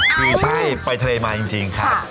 คือใช่ไปทะเลมาจริงครับ